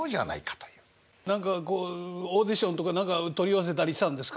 何かこうオーディションとか何か取り寄せたりしたんですか？